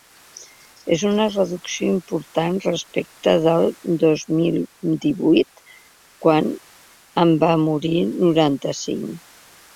És una reducció important respecte del dos mil divuit, quan en van morir noranta-cinc.